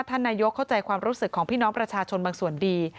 ท่านนายกเข้าใจความรู้สึกของพี่น้องประชาชนบางส่วนดี